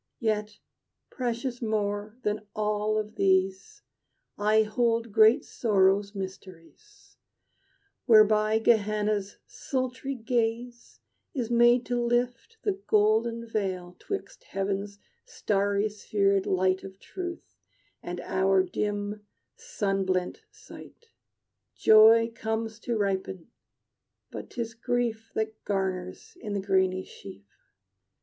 "Yet precious more than all of these I hold great Sorrow's mysteries, Whereby Gehenna's sultry gale Is made to lift the golden veil 'Twixt heaven's starry spherèd light Of truth and our dim, sun blent sight. Joy comes to ripen; but 'tis Grief That garners in the grainy sheaf.